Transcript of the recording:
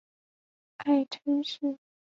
爱称是。